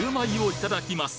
いただきます。